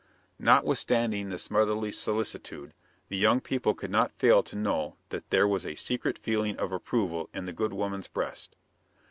Notwithstanding this motherly solicitude, the young people could not fail to know that there was a secret feeling of approval in the good woman's breast.